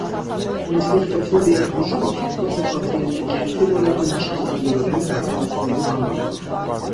Ինսեկտոֆոբիայի բուժումը ցուցված է պացիենտի կյանքի որակը նշանակալիորեն բարձրացնելու համար։